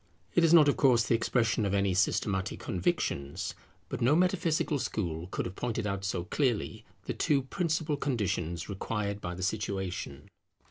It is not of course the expression of any systematic convictions; but no metaphysical school could have pointed out so clearly the two principal conditions required by the situation.